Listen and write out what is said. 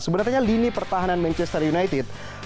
sebenarnya lini pertahanan manchester united